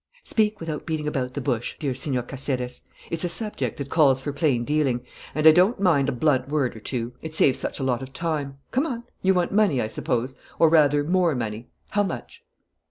"Speak without beating about the bush, dear Señor Caceres. It's a subject that calls for plain dealing; and I don't mind a blunt word or two. It saves such a lot of time! Come on. You want money, I suppose? Or, rather, more money. How much?"